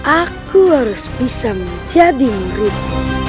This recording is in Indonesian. aku harus bisa menjadi murid